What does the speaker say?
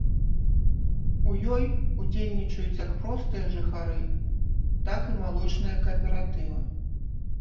У ёй удзельнічаюць як простыя жыхары, так і малочныя кааператывы.